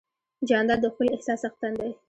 جانداد د ښکلي احساس څښتن دی.